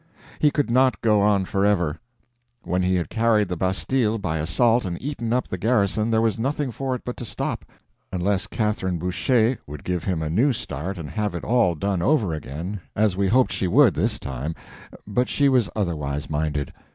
He could not go on forever; when he had carried the bastille by assault and eaten up the garrison there was nothing for it but to stop, unless Catherine Boucher would give him a new start and have it all done over again—as we hoped she would, this time—but she was otherwise minded.